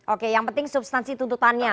oke yang penting substansi tuntutannya